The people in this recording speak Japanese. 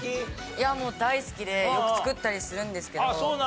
いやもう大好きでよく作ったりするんですけど。